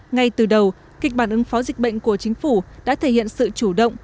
ngay từ đầu kịch bản ứng phó dịch bệnh của chính phủ đã thể hiện sự chủ động